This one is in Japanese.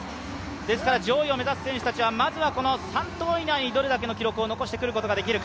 ですから上位を目指す選手たちはまずは３投以内にどういう記録を出してくるか。